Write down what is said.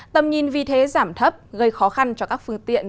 tầm nhìn vì thế giảm thấp gây khó khăn cho các phương tiện